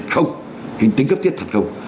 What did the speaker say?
không tính cấp thiết thật không